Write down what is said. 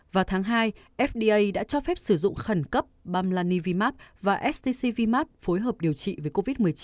vào tháng hai fda đã cho phép sử dụng khẩn cấp bamlanivimap và stcvmap phối hợp điều trị với covid một mươi chín